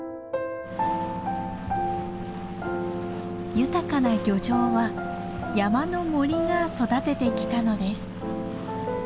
豊かな漁場は山の森が育ててきたのです。